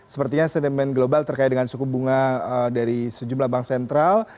sepertinya sentimen global terkait dengan suku bunga dari sejumlah bank sentral